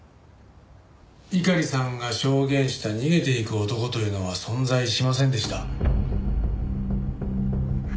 猪狩さんが証言した逃げていく男というのは存在しませんでした。